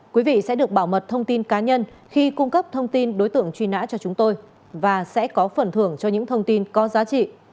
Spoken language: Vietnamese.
quý vị sẽ được bảo mật thông tin cá nhân khi cung cấp thông tin đối tượng truy nã cho chúng tôi và sẽ có phần thưởng cho những thông tin có giá trị